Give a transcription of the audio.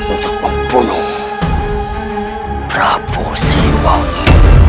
untuk membunuh prabu sriwangi